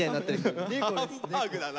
ハンバーグだな。